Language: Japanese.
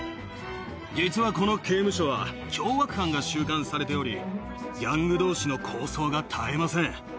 実はこの刑務所は、凶悪犯が収監されており、ギャングどうしの抗争が絶えません。